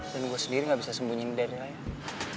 dan gue sendiri gak bisa sembunyiin dari rayang